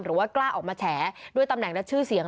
หรือว่ากล้าออกมาแฉด้วยตำแหน่งและชื่อเสียง